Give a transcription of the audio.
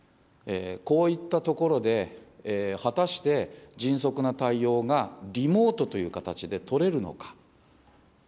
こういった所で、果たして迅速な対応が、リモートという形で取れるのか。